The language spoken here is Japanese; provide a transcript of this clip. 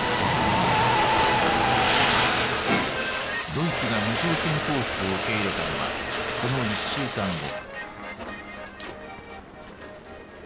ドイツが無条件降伏を受け入れたのはこの１週間後。